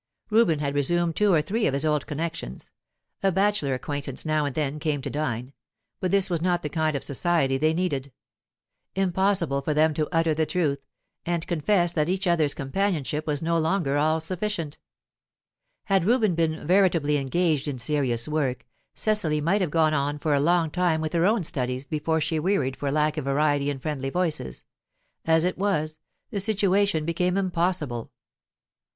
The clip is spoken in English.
Reuben had resumed two or three of his old connections; a bachelor acquaintance now and then came to dine; but this was not the kind of society they needed. Impossible for them to utter the truth, and confess that each other's companionship was no longer all sufficient. Had Reuben been veritably engaged in serious work, Cecily might have gone on for a long time with her own studies before she wearied for lack of variety and friendly voices; as it was, the situation became impossible.